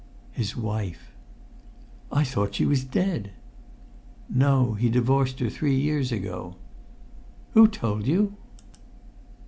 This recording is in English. "His wife." "I thought she was dead?" "No; he divorced her three years ago." "Who told you?"